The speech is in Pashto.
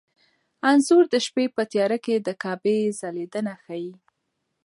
انځور د شپې په تیاره کې د کعبې ځلېدنه ښيي.